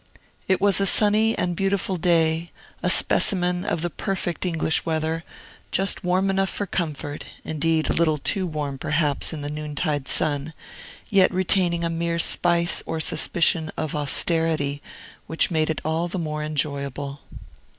It was a sunny and beautiful day, a specimen of the perfect English weather, just warm enough for comfort, indeed, a little too warm, perhaps, in the noontide sun, yet retaining a mere spice or suspicion of austerity, which made it all the more enjoyable.